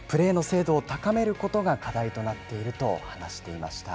プレーの精度を高めることが課題となっていると話していました。